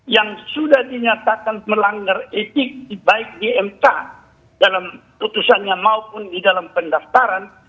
yang sudah dinyatakan melanggar etik baik di mk dalam putusannya maupun di dalam pendaftaran